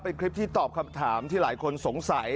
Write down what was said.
เป็นคลิปที่ตอบคำถามที่หลายคนสงสัย